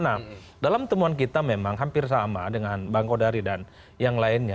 nah dalam temuan kita memang hampir sama dengan bang kodari dan yang lainnya